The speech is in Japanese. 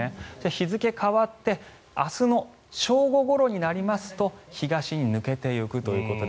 日付が変わって明日の正午ごろになりますと東に抜けていくということで。